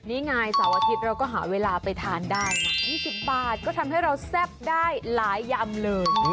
นี่ไงเสาร์อาทิตย์เราก็หาเวลาไปทานได้นะ๒๐บาทก็ทำให้เราแซ่บได้หลายยำเลย